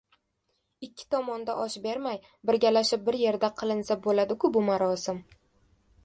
Ikki tomonda osh bermay, birgalashib bir yerda qilinsa bo‘ladi-ku, bu marosim.